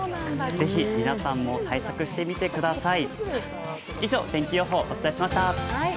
ぜひ皆さんも対策してみてください。